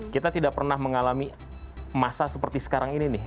kita tidak pernah mengalami masa seperti sekarang ini nih